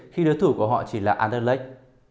khi đối thủ của họ chỉ là anderlecht